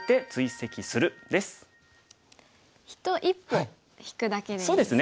一歩引くだけでいいんですね。